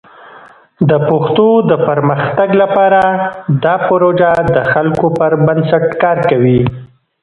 د پښتو د پرمختګ لپاره دا پروژه د خلکو پر بنسټ کار کوي.